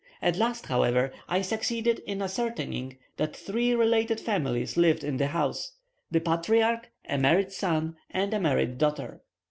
At last, however, I succeeded in ascertaining that three related families lived in the house the patriarch, a married son, and a married daughter.